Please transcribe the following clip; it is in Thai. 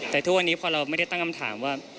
แต่ทุกวันนี้พอเราไม่ได้ตั้งคำถามว่า